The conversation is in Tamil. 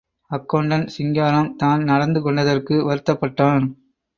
அக்கெளண்டண்ட் சிங்காரம், தான் நடந்து கொண்டதற்கு வருத்தப்பட்டான்.